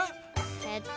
えっと